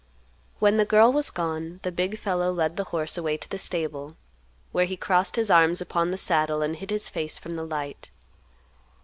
When the girl was gone, the big fellow led the horse away to the stable, where he crossed his arms upon the saddle and hid his face from the light.